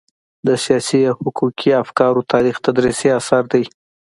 د سياسي او حقوقي افکارو تاریخ تدريسي اثر دی.